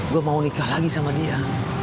gue mau nikah lagi sama dia